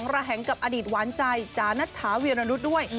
ระแหงกับอดีตหวานใจจานัทธาเวียรนุษย์ด้วย